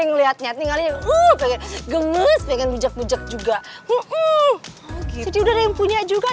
piseng lihatnya tinggalin uh pengen gemes pengen bujak bujak juga uh jadi udah yang punya juga